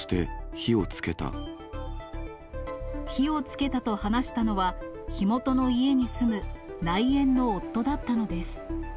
火をつけたと話したのは、火元の家に住む内縁の夫だったのです。